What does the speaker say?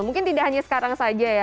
mungkin tidak hanya sekarang saja ya